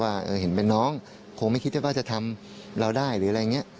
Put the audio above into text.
ว่าเห็นเป็นน้องคงไม่คิดได้ว่าจะทำเราได้หรืออะไรอย่างนี้